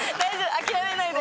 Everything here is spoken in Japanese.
諦めないで。